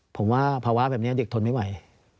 ผมว่าภาวะแบบนี้เด็กทนไม่ไหว